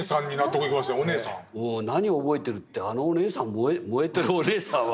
もう何を覚えてるってあのお姉さん燃えてるお姉さんは。